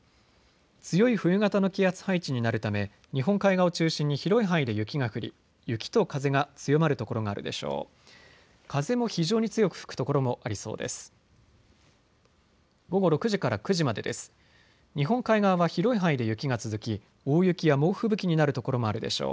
強い冬型の気圧配置になるため日本海側を中心に広い範囲で雪が降り、雪と風が強まる所があるでしょう。